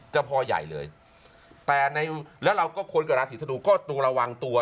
เจ้าพ่อใหญ่เลยแล้วเราก็คนเกิดราศีธนูก็ระวังตัว